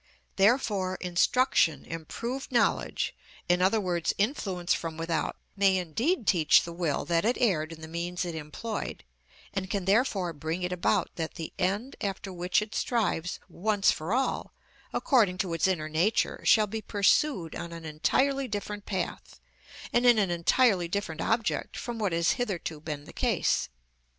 Therefore instruction, improved knowledge, in other words, influence from without, may indeed teach the will that it erred in the means it employed, and can therefore bring it about that the end after which it strives once for all according to its inner nature shall be pursued on an entirely different path and in an entirely different object from what has hitherto been the case.